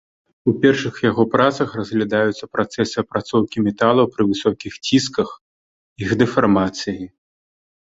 У першых яго працах разглядаюцца працэсы апрацоўкі металаў пры высокіх цісках, іх дэфармацыі.